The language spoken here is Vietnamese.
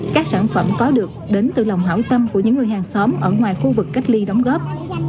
các sản phẩm có được đến từ lòng hảo tâm của những người hàng xóm ở ngoài khu vực cách ly đóng góp